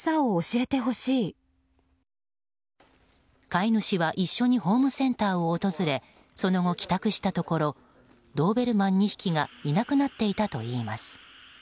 飼い主は一緒にホームセンターを訪れその後、帰宅したところドーベルマン２匹がいなくなっていたといいます。